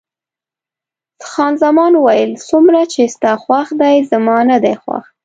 خان زمان وویل: څومره چې ستا خوښ دی، زما نه دی خوښ.